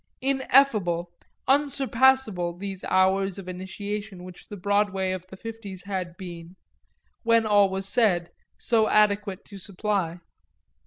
Ineffable, unsurpassable those hours of initiation which the Broadway of the 'fifties had been, when all was said, so adequate to supply.